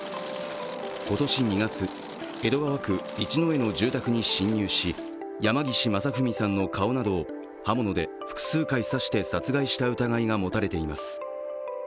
今年２月、江戸川区一之江の住宅に侵入し、山岸正文さんの顔などを刃物で複数回刺して殺害した疑いが持たれています。